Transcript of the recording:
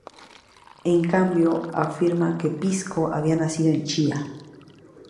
En cambio, afirma que Pisco había nacido de Chía.